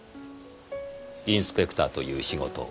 インスペクターという仕事を。